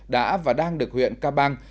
đã và đang được huyện cabang